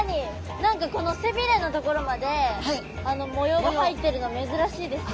何かこの背びれの所まで模様が入ってるの珍しいですね。